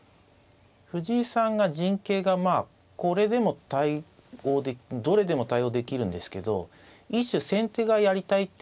藤井さんが陣形がまあこれでも対応どれでも対応できるんですけど一種先手がやりたい手